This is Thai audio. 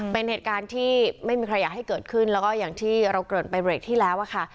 เป็นเหตุการณ์ที่ไม่มีใครอยากให้เกิดขึ้นแล้วก็อย่างที่เราเกิดไปเบรกที่แล้วค่ะ